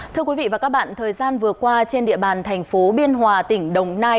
thưa quý vị và các bạn thời gian vừa qua trên địa bàn thành phố biên hòa tỉnh đồng nai